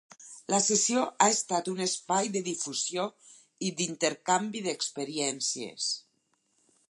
La sessió ha estat un espai de difusió i d'intercanvi d'experiències.